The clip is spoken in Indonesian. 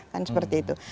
kan seperti itu